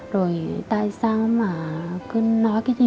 rồi tại sao mà cứ nói cái gì